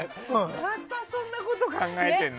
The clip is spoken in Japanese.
またそんなこと考えてるの？